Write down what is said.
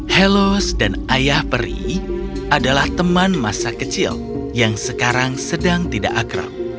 helos dan ayah peri adalah teman masa kecil yang sekarang sedang tidak akrab